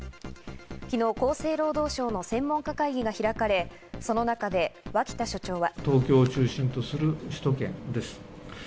昨日、厚生労働省の専門家会議が開かれ、その中で脇田所長は。